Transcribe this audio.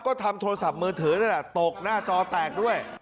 ก็ทำโทรศัพท์มือถือตกหน้าจอแตกด้วย